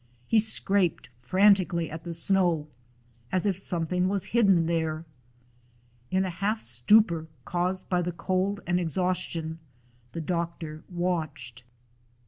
He scraped frantic ally at the snow, as if something was hidden there. In a half stupor caused by the cold and exhaustion, the doctor watched.